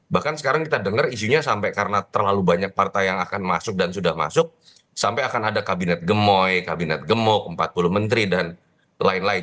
bahkan sekarang kita dengar isunya sampai karena terlalu banyak partai yang akan masuk dan sudah masuk sampai akan ada kabinet gemoy kabinet gemuk empat puluh menteri dan lain lain